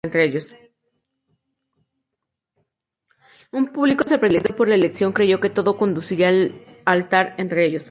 Un público sorprendido por la elección, creyó que todo conduciría al altar entre ellos.